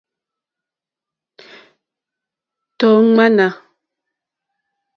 Tɔ̀ ŋmánà.